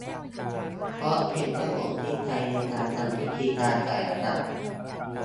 เพราะเป็นขนมที่ใช้ในการทำพิธีทางไสยศาสตร์